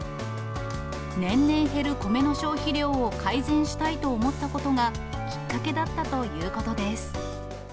年々減る米の消費量を改善したいと思ったことが、きっかけだったということです。